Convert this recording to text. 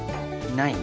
ない？